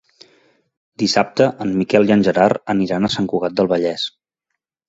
Dissabte en Miquel i en Gerard aniran a Sant Cugat del Vallès.